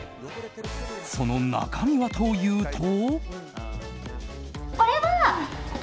その中身はというと。